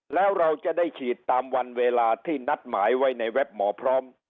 แล้วเราจะได้ฉีดตามวันเวลาที่นัดหมายไว้ในเว็บหมอพร้อม